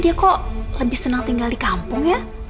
dia kok lebih senang tinggal di kampung ya